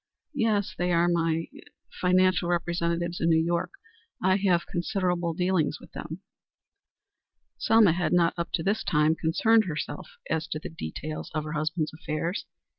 "Yes. They are my er financial representatives in New York. I have considerable dealings with them." Selma had not up to this time concerned herself as to the details of her husband's affairs.